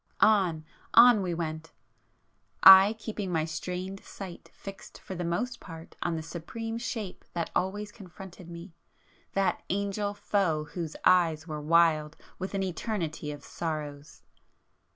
On,—on we went,—I keeping my strained sight fixed for the most part on the supreme Shape that always confronted me,—that Angel Foe whose eyes were wild with an eternity of sorrows!